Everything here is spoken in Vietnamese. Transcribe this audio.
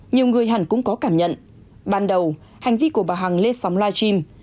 nhiều người hằng cũng có cảm nhận ban đầu hành vi của bà hằng lê sóng live stream